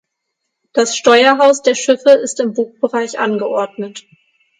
Das Steuerhaus der Schiffe ist im Bugbereich angeordnet.